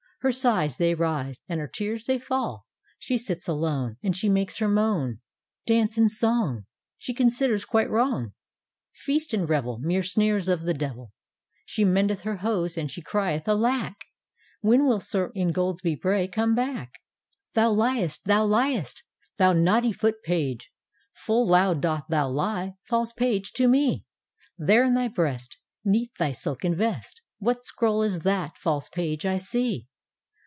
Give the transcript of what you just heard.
Her sighs they rise, and her tears they falL She sits alone, And she makes her moan; Dance and song,' She considers quite wrong; Feast and revel Mere snares of the devil; She mendeth her hose, and she crie^ 'Alack! When will Sir Ingoldsby Bray come back ?'" D,gt,, erihyGOOglC The IngQldsby Penance 89 "Thou licst! tbou licstl thou naughty Foot pag^ Full loud doth thou lie, false Page, to mc ! There in thy breast, 'Neath thy silken rest, What scroll is that, false Page, I see?"